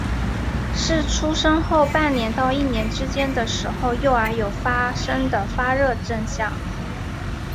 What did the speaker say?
是出生后半年到一年之间的时候幼儿有发生的发热现象。